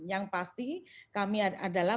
yang pasti kami adalah